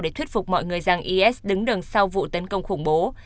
để thuyết phục mọi người rằng is đứng đường sau vụ tấn công khủng bố